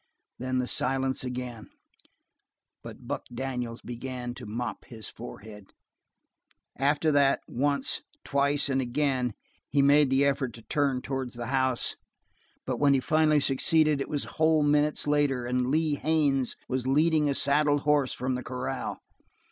Then the silence again, but Buck Daniels began to mop his forehead. After that, once, twice, and again he made the effort to turn towards the house, but when he finally succeeded it was whole minutes later, and Lee Haines was leading a saddled horse from the coral.